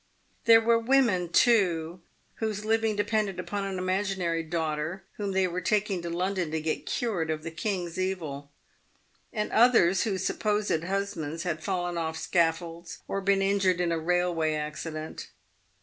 There were women, too, whose living depended upon an imaginary daughter, whom they were taking to London to get cured of the king's evil; and others whose supposed husbands had fallen off scaffolds, or been injured in a railway accident.